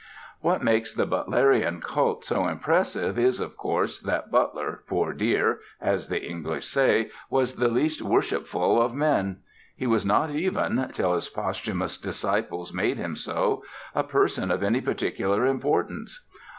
What makes the Butlerian cult so impressive is, of course, that Butler, poor dear, as the English say, was the least worshipful of men. He was not even till his posthumous disciples made him so a person of any particular importance.